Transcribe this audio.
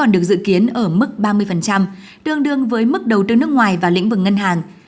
được dự kiến ở mức ba mươi tương đương với mức đầu tư nước ngoài và lĩnh vực ngân hàng